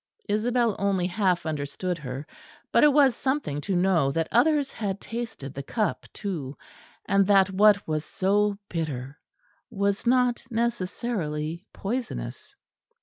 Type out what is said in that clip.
Isabel only half understood her; but it was something to know that others had tasted the cup too; and that what was so bitter was not necessarily poisonous.